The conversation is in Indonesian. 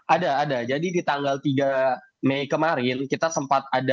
ada ada jadi di tanggal tiga mei kemarin kita sempat ada